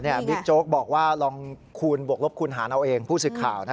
เออบิ๊กโจ๊กบอกว่าลองคูณบวกรบคูณหาเราเองผู้ศึกข่าว